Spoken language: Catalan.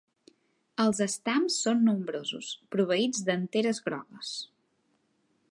Els estams són nombrosos, proveïts d'anteres grogues.